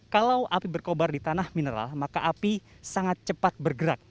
kalau api berkobar di tanah mineral maka api sangat cepat bergerak